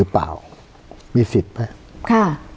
อันนี้เราพูดถึงที่ดินที่มันเป็นที่ดินในการใช้เพื่อการเกษตรถูกไหมคะ